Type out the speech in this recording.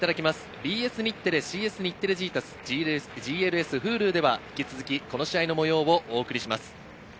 ＢＳ日テレ、ＣＳ日テレ、ジータス、Ｈｕｌｕでは引き続き、この試合の模様をお送りします。